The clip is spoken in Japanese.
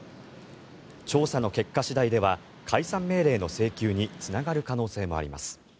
調査の結果次第では解散命令の請求につながる可能性もあります。